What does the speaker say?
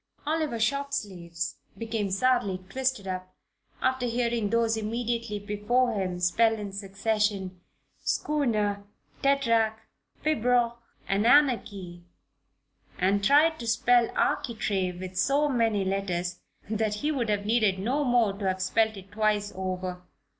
Oliver Shortsleeves became sadly twisted up after hearing those immediately before him spell in succession "schooner, tetrarch, pibroch and anarchy" and tried to spell "architrave" with so many letters that he would have needed no more to have spelled it twice over.